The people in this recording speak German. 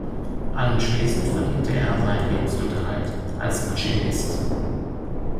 Anschließend verdiente er seinen Lebensunterhalt als Maschinist.